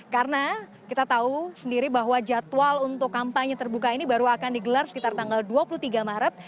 karena kita tahu sendiri bahwa jadwal untuk kampanye terbuka ini baru akan digelar sekitar tanggal dua puluh tiga maret